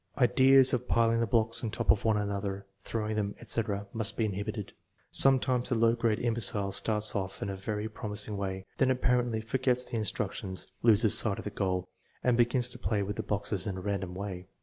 Ideas of piling the blocks on top of one another, throwing them, etc., must be inhibited. Sometimes the low grade imbecile starts off in a very promising way, then apparently forgets the instructions (loses sight of the goal), and begins to play with the boxes in a random way.